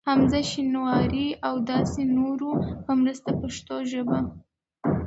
حمزه شینواري ا و داسی نورو په مرسته پښتو ژبه